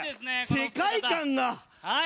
世界感が。